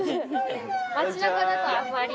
街中だとあんまり。